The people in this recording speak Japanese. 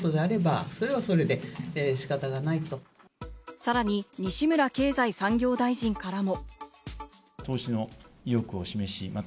さらに西村経済産業大臣からも。